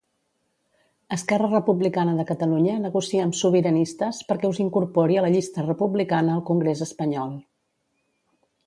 Esquerra Republicana de Catalunya negocia amb Sobiranistes perquè us incorpori a la llista republicana al congrés espanyol.